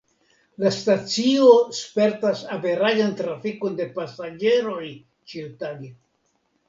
La stacio spertas averaĝan trafikon de pasaĝeroj ĉiutage.